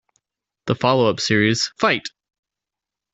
The follow-up series, Fight!